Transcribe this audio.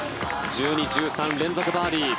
１２、１３、連続バーディー。